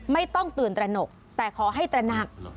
ไม่ต้องเตือนแต่หนกแต่ขอให้แต่หนัก